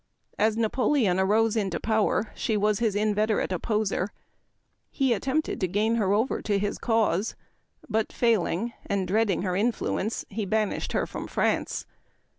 As Xapoleon arose into power she was his inveterate opposer. He attempted to gain her over to his cause ; but failing, and dreading her influence, he banished her from France.